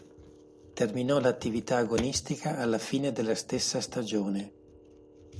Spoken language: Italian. Terminò l'attività agonistica alla fine della stessa stagione.